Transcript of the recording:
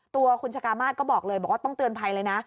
ตัวคุณชะกามาศก็บอกเลยบอกว่าต้องเตือนภัยเลยนะ